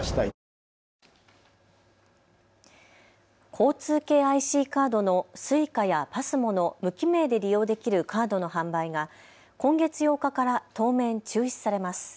交通系ＩＣカードのＳｕｉｃａやＰＡＳＭＯの無記名で利用できるカードの販売が今月８日から当面、中止されます。